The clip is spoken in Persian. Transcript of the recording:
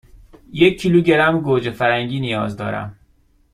یک کیلوگرم گوجه فرنگی نیاز دارم.